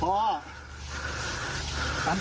พ่อตื่น